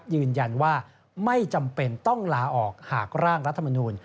ยืนยันว่าไม่จำเป็นต้องลาออกหากร่างรัฐมนูล